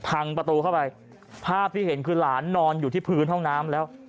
พังประตูเข้าไปภาพที่เห็นคือหลานนอนอยู่ที่พื้นห้องน้ำแล้ว